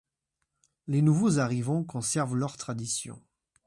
Les nouveaux arrivants conservent leurs traditions.